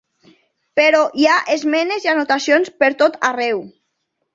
Però hi ha esmenes i anotacions pertot arreu.